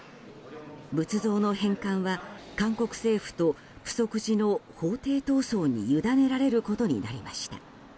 仏像の返還は韓国政府と浮石寺の法廷闘争に委ねられることになりました。